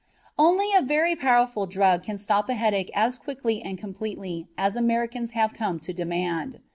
Only a very powerful drug can stop a headache as quickly and completely as Americans have come to demand.